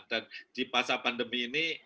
dan di masa pandemi ini